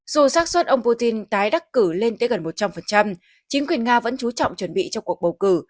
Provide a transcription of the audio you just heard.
dù xác xuất ông putin tái đắc cử lên tới gần một trăm linh chính quyền nga vẫn chú trọng chuẩn bị cho cuộc bầu cử